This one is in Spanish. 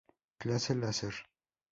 Clase Laser.